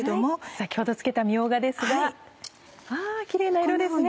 先ほどつけたみょうがですが。わキレイな色ですね。